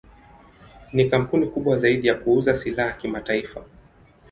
Ni kampuni kubwa zaidi ya kuuza silaha kimataifa.